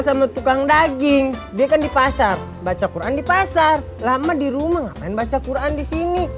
sama tukang daging dia kan di pasar baca quran di pasar lama di rumah ngapain baca quran di sini